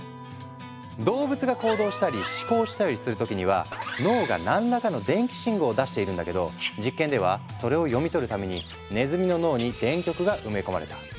動物が行動したり思考したりする時には脳が何らかの電気信号を出しているんだけど実験ではそれを読み取るためにねずみの脳に電極が埋め込まれた。